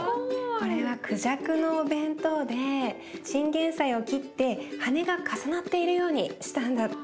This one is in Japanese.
これはクジャクのお弁当でチンゲンサイを切って羽が重なっているようにしたんだって。